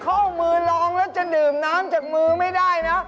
เข้ามือลองแล้วจะดื่มน้ำจากมือไม่ได้นะ